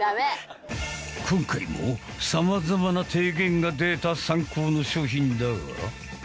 今回も様々な提言が出たサンコーの商品だが。